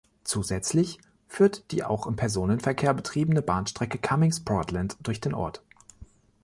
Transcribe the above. Zusätzlich führt die auch im Personenverkehr betriebene Bahnstrecke Cummings–Portland durch den Ort.